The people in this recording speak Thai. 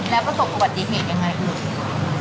แล้วประสบความประวัติภีร์อย่างไรอื่น